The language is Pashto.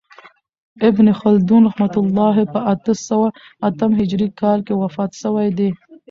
ابن خلدون رحمة الله په اته سوه اتم هجري کال کښي وفات سوی دئ.